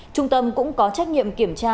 trung tâm cũng có trách nhiệm kiểm tra